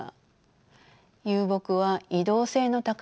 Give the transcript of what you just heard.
遊牧は移動性の高い牧畜です。